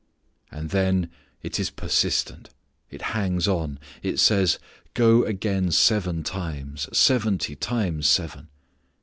And then it is persistent. It hangs on. It says, "Go again seven times; seventy times seven."